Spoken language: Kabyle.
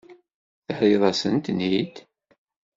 Terriḍ-asent-ten-id?